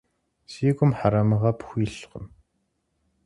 Си гум хьэрэмыгъэ пхуилъкъым.